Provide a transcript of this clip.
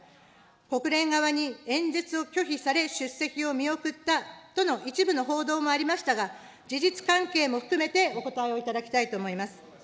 国連側に演説を拒否され出席を見送ったとの一部の報道もありましたが、事実関係も含めてお答えをいただきたいと思います。